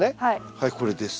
はいこれです。